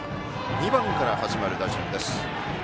２番から始まる打順です。